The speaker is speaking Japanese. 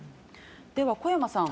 では、小山さん